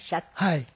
はい。